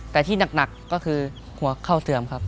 แต่ที่หนักก็คือหัวเข้าเสื่อมครับ